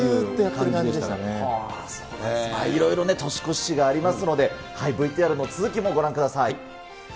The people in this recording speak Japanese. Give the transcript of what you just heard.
いろいろ年越し史がありますので、ＶＴＲの続きご覧ください。